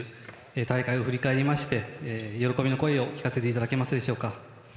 大会を振り返りまして喜びの声を聞かせていただけますでしょうか。